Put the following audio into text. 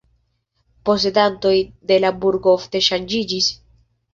Posedantoj de la burgo ofte ŝanĝiĝis.